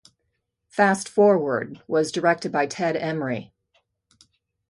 "Fast Forward" was directed by Ted Emery.